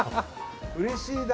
うれしいな。